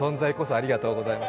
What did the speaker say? ありがとうございます。